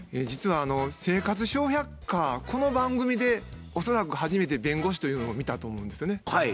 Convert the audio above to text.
実は「生活笑百科」この番組で恐らく初めて弁護士というのを見たと思うんですよね。